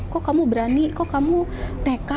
kok kamu berani kok kamu nekat